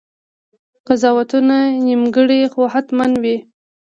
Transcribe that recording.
قضاوتونه نیمګړي خو حتماً وي.